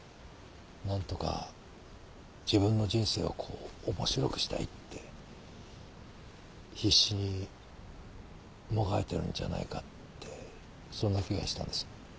何とか自分の人生をこう面白くしたいって必死にもがいてるんじゃないかってそんな気がしたんです。